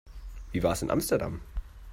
Wie war's in Amsterdam?